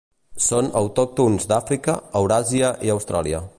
Són autòctons d'Àfrica, Euràsia i Austràlia.